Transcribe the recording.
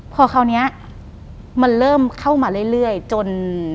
พอคราวนี้มันเริ่มเข้ามาเรื่อยจน